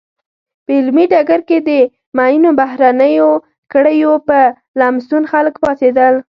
په علمي ډګر کې د معینو بهرنیو کړیو په لمسون خلک پاڅېدل.